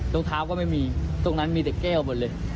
รองเท้าก็ไม่มีตรงนั้นมีแต่แก้วหมดเลย